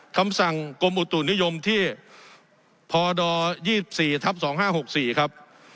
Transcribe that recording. คำสั่งกรมอุตุนิยมที่พอดอร์ยี่สิบสี่ทับสองห้าหกสี่ครับ